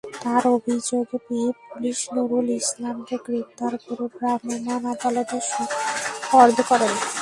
তাঁর অভিযোগ পেয়ে পুলিশ নুরুল ইসলামকে গ্রেপ্তার করে ভ্রাম্যমাণ আদালতে সোপর্দ করে।